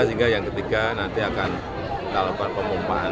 sehingga yang ketiga nanti akan kita lakukan pemumpahan